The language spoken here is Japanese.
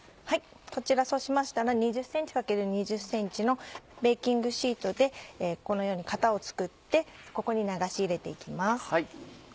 こちらそうしましたら２０ｃｍ×２０ｃｍのベーキングシートでこのように型を作ってここに流し入れて行きます。